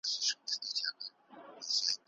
هوښيار کم خو ګټور کار کوي